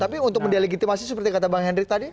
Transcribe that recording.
tapi untuk delegitimasi seperti kata bang hendrik tadi